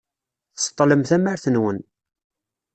Tseṭṭlem tamart-nwen.